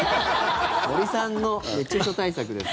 森さんの熱中症対策です。